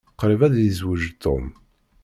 Qṛib ad yezweǧ Tom.